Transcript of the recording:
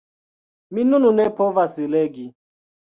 Mi nun ne povas legi.